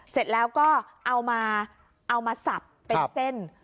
เสร็จแล้วก็เอามาเอามาสับเป็นเส้น